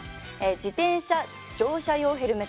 自転車乗車用ヘルメットです。